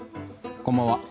こんばんは。